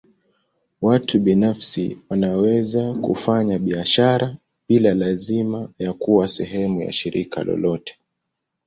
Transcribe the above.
Watu binafsi wanaweza kufanya biashara bila lazima ya kuwa sehemu ya shirika lolote.